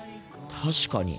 確かに。